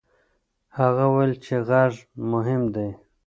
هغه وویل چې غږ مهم دی.